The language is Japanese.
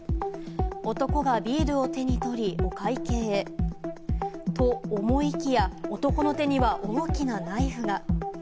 男がビールを手に取り、会計へ。と思いきや、男の手には大きなナイフが。